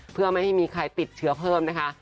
เพื่อไม่ให้มีใครติดเชื้อเพิ่มนะคะ